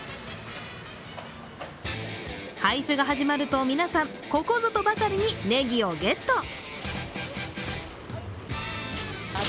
配布が始まると皆さんここぞとばかりに、ねぎをゲット。